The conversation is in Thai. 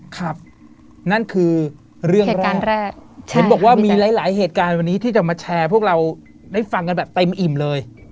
ครับนั่นคือเรื่องแรกเห็นบอกว่ามีหลายหลายเหตุการณ์วันนี้ที่จะมาแชร์พวกเราได้ฟังกันแบบเต็มอิ่มเลย